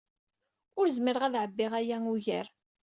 Ur zmireɣ ad ɛebbiɣ aya ugar.